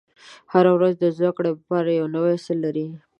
• هره ورځ د زده کړې لپاره یو نوی څه لري.